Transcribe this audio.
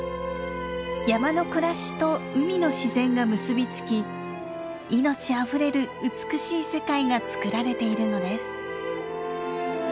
山の暮らしと海の自然が結び付き命あふれる美しい世界が作られているのです。